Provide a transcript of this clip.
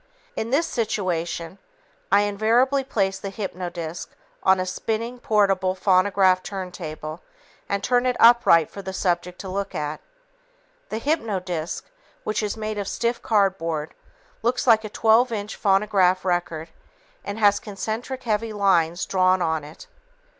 In this situation, I invariably place the hypnodisc on a spinning, portable phonograph turntable and turn it upright for the subject to look at. The hypnodisc, which is made of stiff cardboard, looks like a 12 inch phonograph record and has concentric heavy lines drawn on it.